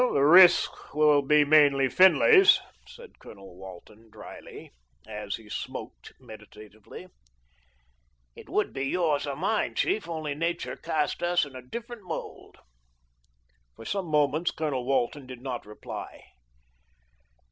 "The risk will be mainly Finlay's," said Colonel Walton drily, as he smoked meditatively. "It would be yours or mine, chief, only nature cast us in a different mould." For some moments Colonel Walton did not reply.